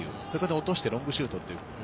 そこから落としてロングシュートと。